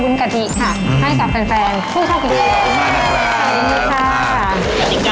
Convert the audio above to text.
คุณข้าวพี่แกงสวัสดีครับสวัสดีค่ะ